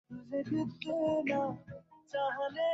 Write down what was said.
অর্ধেক ভোট তো তুই জিতেই গেছিস।